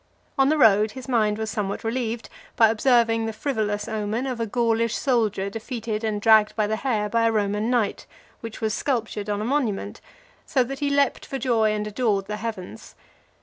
On the road, his mind was somewhat relieved, by observing the frivolous omen of a Gaulish soldier defeated and dragged by the hair by a Roman knight, which was sculptured on a monument; so that he leaped for joy, and adored the heavens.